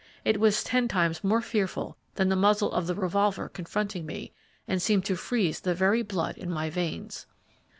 It was ten times more fearful than the muzzle of the revolver confronting me, and seemed to freeze the very blood in my veins.